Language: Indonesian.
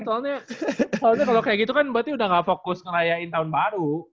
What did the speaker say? mantep banget soalnya kalau kayak gitu kan berarti udah nggak fokus ngerayain tahun baru